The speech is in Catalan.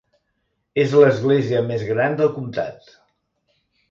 És l'església més gran del comptat.